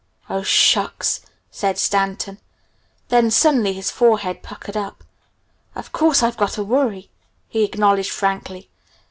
"Oh, shucks!" said Stanton. Then, suddenly his forehead puckered up. "Of course I've got a worry," he acknowledged frankly.